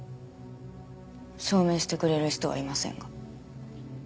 証明してくれる人はいませんが。